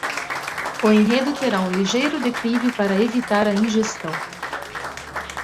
O enredo terá um ligeiro declive para evitar a ingestão.